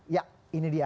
ya ini dia